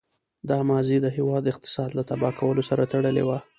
دا ماضي د هېواد اقتصاد له تباه کولو سره تړلې وه.